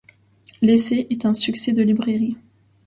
L'essai est un succès de librairie.